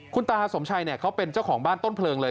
คุณตาสมชัยเขาเป็นเจ้าของบ้านต้นเพลิงเลย